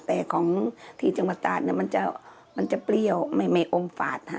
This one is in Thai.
แต่ของที่จังหวัดตาดมันจะเปรี้ยวไม่อมฝาด